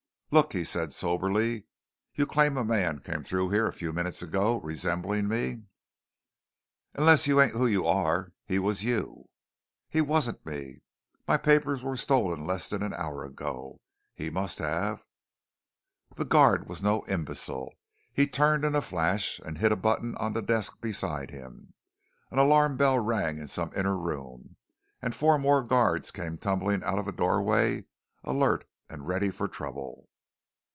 "Look," he said soberly. "You claim a man came through here a few minutes ago, resembling me?" "Unless you ain't who you are, he was you." "He wasn't me. My papers were stolen less than an hour ago. He must have " The guard was no imbecile. He turned in a flash and hit a button on the desk beside him. An alarm bell rang in some inner room and four more guards came tumbling out of a doorway, alert and ready for trouble.